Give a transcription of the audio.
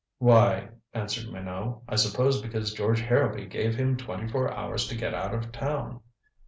"Why," answered Minot, "I suppose because George Harrowby gave him twenty four hours to get out of town."